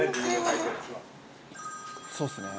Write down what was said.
そうですね。